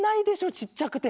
ちっちゃくて。